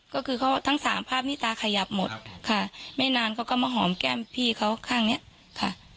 ก็คือเขาทั้งสามภาพนี้ตาขยับหมดค่ะไม่นานเขาก็มาหอมแก้มพี่เขาข้างเนี้ยค่ะ